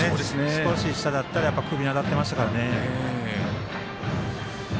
少し下だったら首に当たってましたからね。